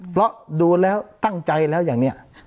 เพราะดูแล้วตั้งใจแล้วอย่างนี้